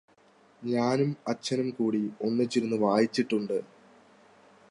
ഞാനും അച്ഛനും കൂടി ഒന്നിച്ചിരുന്ന് വായിച്ചിട്ടുണ്ട്